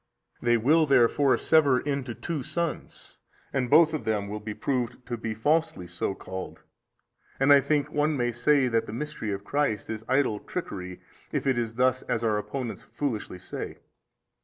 A. They will therefore sever into two sons, and both of them will be proved to be falsely so called, and I think one may say that the mystery of Christ is idle trickery if it is thus as our opponents foolishly say.